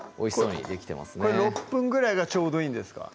６分ぐらいがちょうどいいんですか？